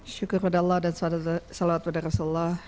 syukur pada allah dan salawat pada rasulullah